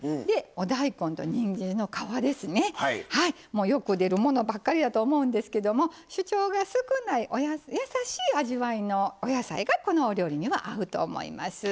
もうよく出るものばっかりだと思うんですけども主張が少ない優しい味わいのお野菜がこのお料理には合うと思います。